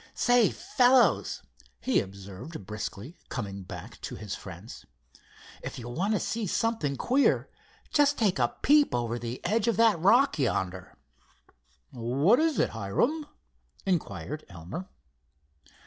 "Say fellows," he observed briskly, coming back to his friends; "if you want to see something queer just take a peep over the edge of that rock yonder." "What is it, Hiram?" inquired Elmer.